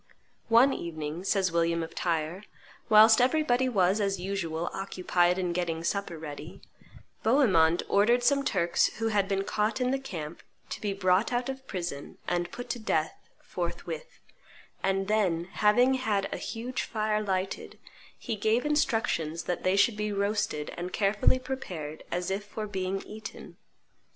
"One evening," says William of Tyre, "whilst everybody was, as usual, occupied in getting supper ready, Bohemond ordered some Turks who had been caught in the camp to be brought out of prison and put to death forthwith; and then, having had a huge fire lighted, he gave instructions that they should be roasted and carefully prepared as if for being eaten.